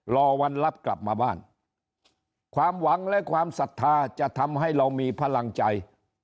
รอวันรับกลับมาบ้านความหวังและความศรัทธาจะทำให้เรามีพลังใจ